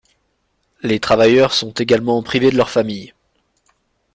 Les travailleurs sont également privés de leur famille.